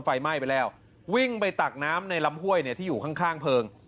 ไฟไหม้ไปแล้ววิ่งไปตักน้ำในลำห้วยเนี่ยที่อยู่ข้างเพลิง